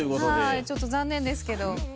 はいちょっと残念ですけど。